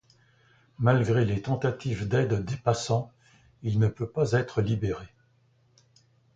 Malgré les tentatives d'aide des passants, il ne peut pas être libéré.